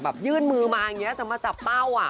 ยื่นมือมาอย่างนี้จะมาจับเป้าอ่ะ